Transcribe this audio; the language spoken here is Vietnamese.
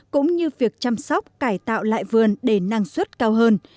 cũng như việc chăm sóc cải tạo lại vườn để năng suất cao hơn